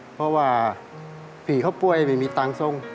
เพราะว่าพี่เขาป่วยไม่มีตังค์ทรง